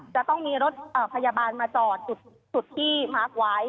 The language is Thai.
จะต้องมีรถพยาบาลมาจอดจุดที่พักไว้